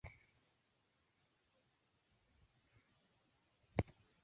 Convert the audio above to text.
Matamasha yalikuwa yakiandaliwa hasa na wanafunzi wa shule mbalimbali za sekondari jijini